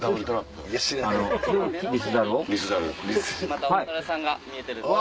またおサルさんが見えてると。